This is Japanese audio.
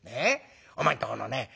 お前んとこのね